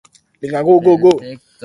Bere alarauak ez dituk garrantzitsuena.